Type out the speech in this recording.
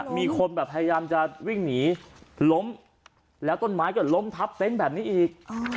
มีคนแบบพยายามจะวิ่งหนีล้มแล้วต้นไม้ก็ล้มทับเต็นต์แบบนี้อีก